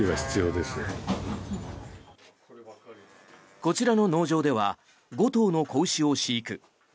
こちらの農場では５頭の子牛を飼育。